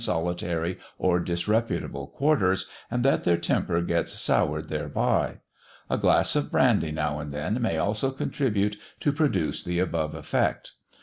56.] solitary or disreputable quarters, and that their temper gets soured thereby. A glass of brandy now and then may also contribute to produce the above effect.